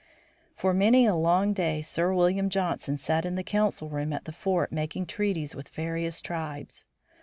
For many a long day Sir William Johnson sat in the council room at the fort making treaties with various tribes.